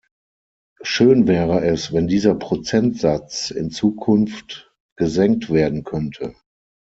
Schön wäre es, wenn dieser Prozentsatz in Zukunft gesenkt werden könnte.